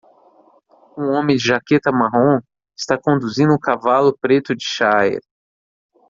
Um homem de jaqueta marrom está conduzindo um cavalo preto de shire.